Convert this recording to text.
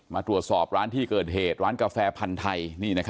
มาตรวจสอบร้านที่เกิดเหตุร้านกาแฟพันธุ์ไทย